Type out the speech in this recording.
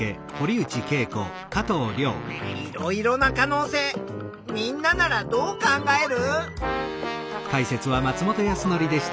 いろいろな可能性みんなならどう考える？